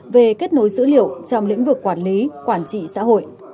về kết nối dữ liệu trong lĩnh vực quản lý quản trị xã hội